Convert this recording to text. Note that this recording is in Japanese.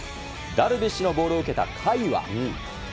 ダルビッシュのボールを受けた甲斐は。